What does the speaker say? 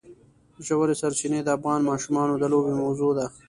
ژورې سرچینې د افغان ماشومانو د لوبو موضوع ده.